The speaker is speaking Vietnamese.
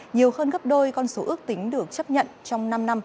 nhiều hơn gấp đôi con số ước tính được chấp nhận trong năm năm